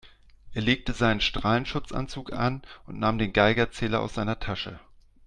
Er legte seinen Strahlenschutzanzug an und nahm den Geigerzähler aus seiner Tasche.